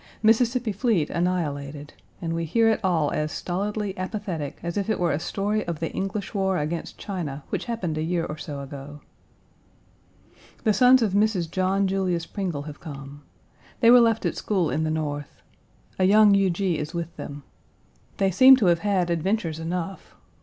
Mississippi fleet annihilated, and we hear it all as stolidly apathetic as if it were a story of the English war against China which happened a year or so ago. The sons of Mrs. John Julius Pringle have come. They Page 187 were left at school in the North. A young Huger is with them. They seem to have had adventures enough.